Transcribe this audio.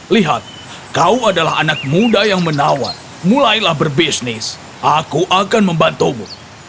lihat kau adalah anak muda yang menawan mulailah berbisnis aku akan membantumu